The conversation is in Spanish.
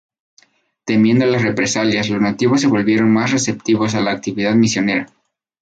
Temiendo las represalias, los nativos se volvieron más receptivos a la actividad misionera.